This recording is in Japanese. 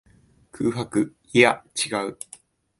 空白。いや、違う。